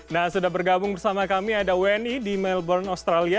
nah sudah bergabung bersama kami ada wni di melbourne australia